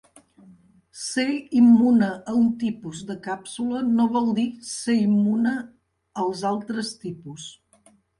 Ser immune a un tipus de càpsula no vol dir ser immune als altres tipus.